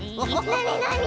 なになに？